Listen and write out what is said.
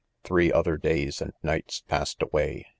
■ 6 Three other days and nights passed away.